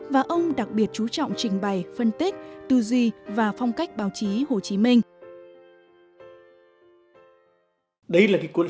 và ông đặc biệt chú trọng trình bày phân tích tư duy và phong cách báo chí hồ chí minh